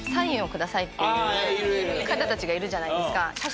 っていう方たちがいるじゃないですか。